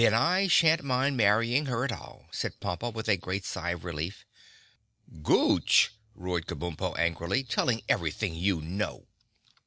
"Then I sha'n't mind marrying her at all," said Pompa, with a great sigh of relief. "Gooch!" roared Kabumpo angrily—"Telling everything you know!"